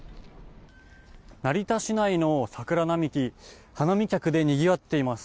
成田市内の桜並木花見客でにぎわっています。